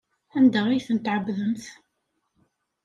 Anda ay tent-tɛebdemt?